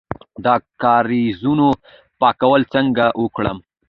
د کاریزونو پاکول څنګه وکړم؟